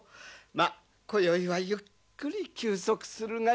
まっこよいはゆっくり休息するがよい。